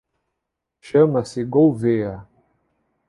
Chama-se Gouvêa.